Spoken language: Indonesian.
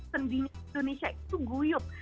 tendinya indonesia itu guyup